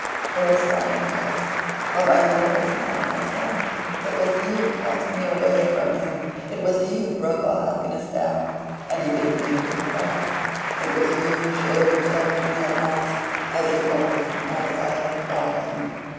"For a son, yes; but my lord is not my son. It was he who cast me away from him. It was he who broke our happiness down, and he bids me to repair it. It was he who showed himself to me at last, as he was, not as I had thought him.